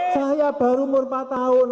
saya baru umur empat tahun